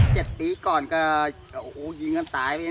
เจ็ดปีก่อนก็อ่าโอ้โหยิงกันตายไปน่ะ